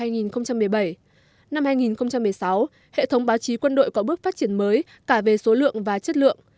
năm hai nghìn một mươi sáu hệ thống báo chí quân đội có bước phát triển mới cả về số lượng và chất lượng